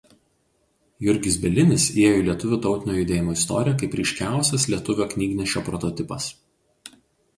Jurgis Bielinis įėjo į lietuvių tautinio judėjimo istoriją kaip ryškiausias lietuvio knygnešio prototipas.